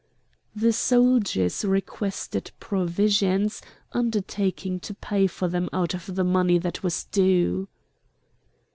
The soldiers requested provisions, undertaking to pay for them out of the money that was due.